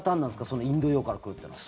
そのインド洋から来るっていうのは。